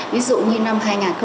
ví dụ như năm hai nghìn một mươi bảy